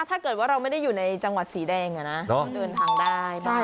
ถ้าเกิดว่าเราไม่ได้อยู่ในจังหวัดสีแดงเขาเดินทางได้